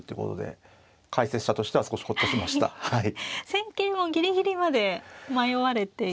戦型をギリギリまで迷われているんですね。